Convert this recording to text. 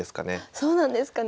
そうなんですかね。